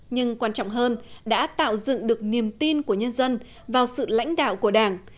nhưng quan trọng hơn đã tạo dựng được niềm tin của nhân dân vào sự lãnh đạo của đảng